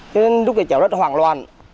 cho nên lúc đó cháu rất hoảng loạn